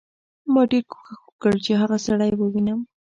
ما ډېر کوښښ وکړ چې هغه سړی ووینم